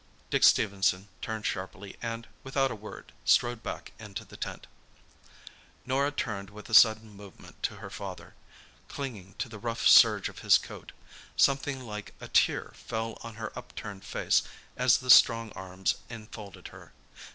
Dick Stephenson turned sharply and, without a word, strode back into the tent. Norah turned with a sudden movement to her father, clinging to the rough serge of his coat. Something like a tear fell on her upturned face as the strong arms enfolded her.